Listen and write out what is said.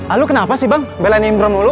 ah lu kenapa sih bang belain imron dulu